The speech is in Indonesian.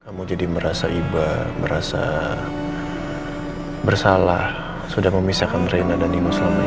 kamu jadi merasa iba merasa bersalah sudah memisahkan reinna dan ibu selama ini